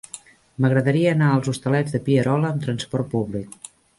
M'agradaria anar als Hostalets de Pierola amb trasport públic.